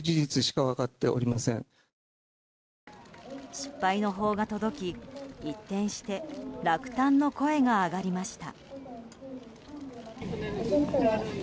失敗の報が届き、一転して落胆の声が上がりました。